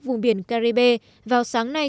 vùng biển caribe vào sáng nay